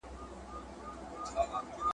پر جناره درته درځم جانانه هېر مي نه کې !.